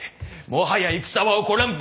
もはや戦は起こらん。